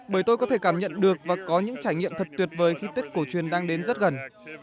bởi tôi có thể cảm nhận được và có những trải nghiệm thật tuyệt vời khi tết cổ truyền đang đến rất gần